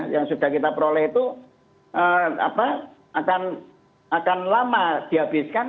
yang sudah kita peroleh itu akan lama dihabiskan